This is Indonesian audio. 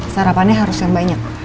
sarapannya harus yang banyak